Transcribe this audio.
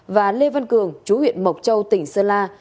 và lê văn cường chú huyện mộc châu tỉnh sơn la